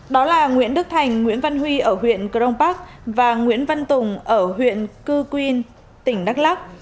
đó là nguyễn đức thành nguyễn văn huy ở huyện crong park và nguyễn văn tùng ở huyện cư quyên tỉnh đắk lắc